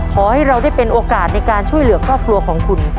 ขอให้เราได้เป็นโอกาสในการช่วยเหลือครอบครัวของคุณ